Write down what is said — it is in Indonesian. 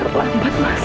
sudah terlambat mas